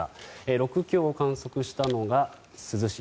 ６強を観測したのが珠洲市。